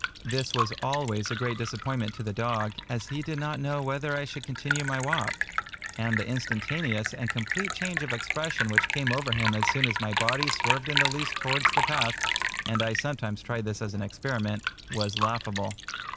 This was always a great disappointment to the dog, as he did not know whether I should continue my walk; and the instantaneous and complete change of expression which came over him as soon as my body swerved in the least towards the path (and I sometimes tried this as an experiment) was laughable.